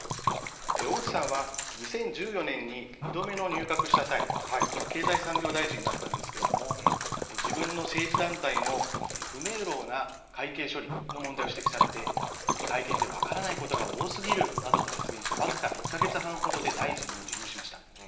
小渕さんは、２０１４年に２度目の入閣した際、経済産業大臣になったんですけれども、自分の政治団体の不明朗な会計処理の問題を指摘されて、会見で分からないことが多すぎるなどと発言して、僅か１か月半ほどで大臣を辞任しました。